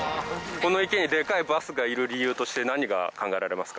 この池にでかいバスがいる理由として何が考えられますか？